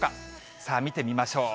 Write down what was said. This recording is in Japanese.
さあ、見てみましょう。